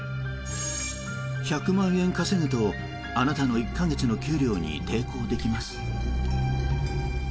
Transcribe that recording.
１００万円稼ぐとあなたの１か月の給料に抵抗できます。